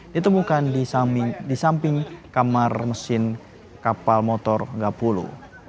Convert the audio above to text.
ditemukan di samping kamar mesin kapal motor gapulu